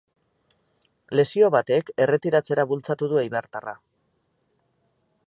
Lesio batek erretiratzera bultzatu du eibartarra.